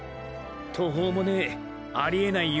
途方もねぇありえない夢を。